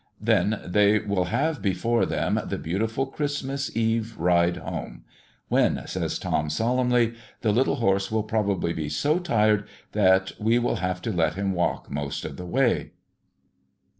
Then they will have before them the beautiful Christmas eve ride home: "When," says Tom solemnly, "the little horse will probably be so tired that we will have to let him walk most of the way!"